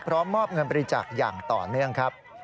พร้อมมอบเงินบริจักษ์อย่างต่อเนื่องครับ